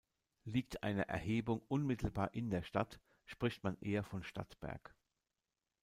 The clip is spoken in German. Liegt eine Erhebung unmittelbar in der Stadt, spricht man eher von Stadtberg.